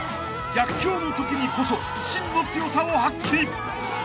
［逆境のときにこそ真の強さを発揮］